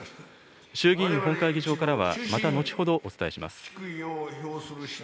衆議院本会議場からは、また後ほどお伝えします。